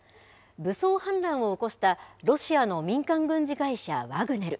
武装反乱を起こしたロシアの民間軍事会社、ワグネル。